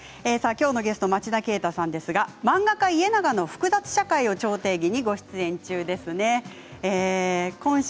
きょうのゲスト町田啓太さんですが「漫画家イエナガの複雑社会を超定義」